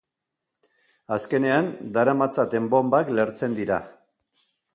Azkenean, daramatzaten bonbak lehertzen dira.